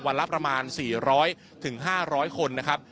ละประมาณ๔๐๐๕๐๐คนนะครับ